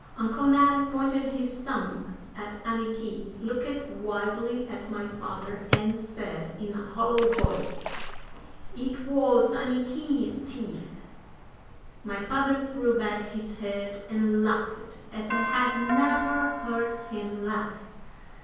Uncle Ned pointed his thumb at Anniky, looked wildly at my father, and said, in a hollow voice: "It wuz Anniky's teef!" My father threw back his head and laughed as I had never heard him laugh.